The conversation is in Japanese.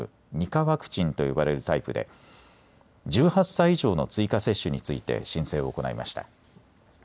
２価ワクチンと呼ばれるタイプで１８歳以上の追加接種について申請を行いました。